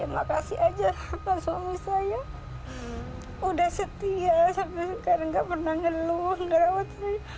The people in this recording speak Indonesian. makasih aja sama suami saya udah setia sampai sekarang nggak pernah ngeluh nggak rawat